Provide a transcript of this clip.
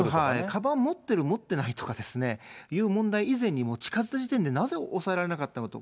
かばん持ってる、持ってないとかいう問題以前にも近づいた時点で、なぜ押さえられなかったのと。